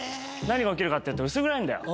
何が起きるかっていうと薄暗いんだよ。